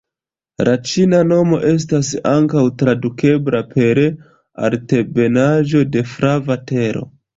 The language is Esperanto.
La ĉina nomo estas ankaŭ tradukebla per "Altebenaĵo de Flava Tero".